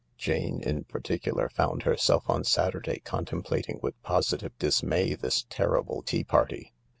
Jane, in particular, found herself on Saturday contemplating with positive dismay this terri ble tea party.